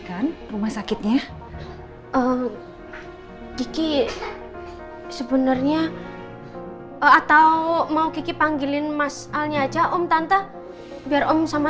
kan rumah sakitnya diki sebenarnya atau mau kiki panggilin mas alnya aja om tante biar om sama